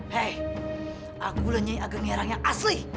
hei aku lenyai ageng erang yang asli